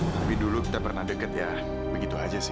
tapi dulu kita pernah deket ya begitu aja sih